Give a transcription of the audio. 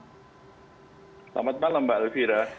selamat malam mbak elvira